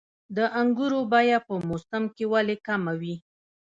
د انګورو بیه په موسم کې ولې کمه وي؟